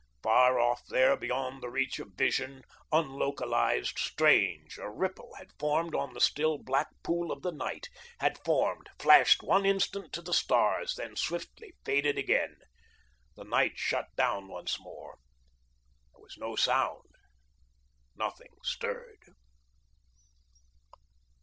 Far off there, beyond the reach of vision, unlocalised, strange, a ripple had formed on the still black pool of the night, had formed, flashed one instant to the stars, then swiftly faded again. The night shut down once more. There was no sound nothing stirred.